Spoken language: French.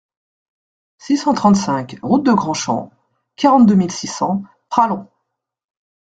six cent trente-cinq route de Grandchamp, quarante-deux mille six cents Pralong